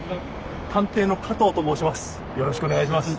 探偵の加藤と申します。